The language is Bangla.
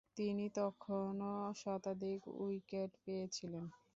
তিনি তখনো শতাধিক উইকেট পেয়েছিলেন।